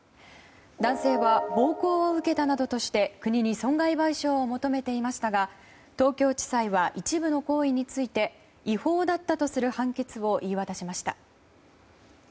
男性は暴行を受けたなどとして国に損害賠償を求めていましたが東京地裁は一部の行為について違法だったとする判決を言い渡しました。